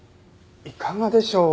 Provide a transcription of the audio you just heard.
いかがでしょう？